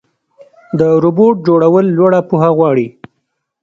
د روبوټ جوړول لوړه پوهه غواړي.